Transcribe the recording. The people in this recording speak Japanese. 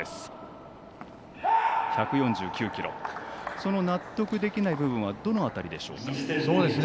その納得できない部分はどの辺りでしょうか。